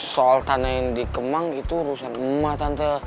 soal tanah yang di kemang itu urusan emak tante